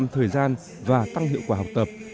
thời gian và tăng hiệu quả học tập